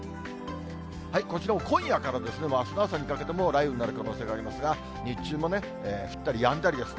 こちらも今夜からですね、あすの朝にかけても雷雨になる可能性がありますが、日中もね、降ったりやんだりです。